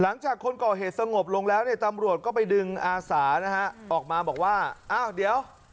หลังจากคนก่อเหตุสงบลงแล้วเนี่ยตำรวจก็ไปดึงอาสานะฮะออกมาบอกว่าอ้าวเดี๋ยว